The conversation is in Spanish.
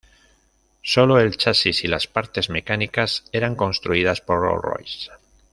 Solo el chasis y las parte mecánicas eran construidas por Rolls-Royce.